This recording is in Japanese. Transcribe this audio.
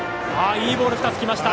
いいボール２つきました。